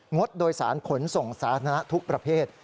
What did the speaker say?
ดโดยสารขนส่งสาธารณะทุกประเภท